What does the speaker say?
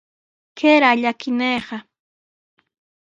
¡Kayraq llakinayqa!